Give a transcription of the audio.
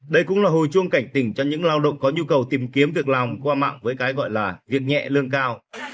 đây cũng là hồi chuông cảnh tỉnh cho những lao động có nhu cầu tìm kiếm việc làm qua mạng với cái gọi là việc nhẹ lương cao